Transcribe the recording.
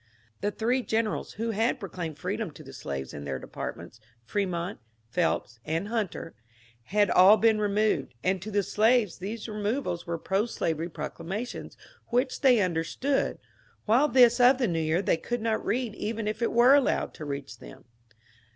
The three generals who had proclaimed freedom to the slaves in their departments — Fremont, Phelps, and Hunter — had' all been removed, and to the slaves these removals were pro slavery proclamations which they understood, while this of the New Year they could not read even if it were allowed tO' reach them.